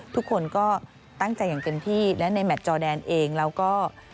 ทุกคนก็ตั้งใจอย่างเต็มที่และในแมทจอแดนเองเราก็